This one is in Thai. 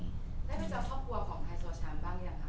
ได้ไปเจอครอบครัวของไซงสยามบ้างอย่าค่ะ